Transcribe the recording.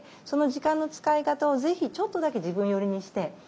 その時間の使い方をぜひちょっとだけ自分寄りにして。